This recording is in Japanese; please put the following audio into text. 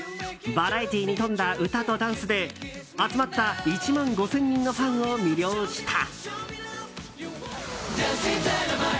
バラエティーに富んだ歌とダンスで集まった１万５０００人のファンを魅了した。